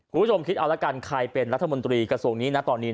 คุณผู้ชมคิดเอาละกันใครเป็นรัฐมนตรีกระทรวงนี้นะตอนนี้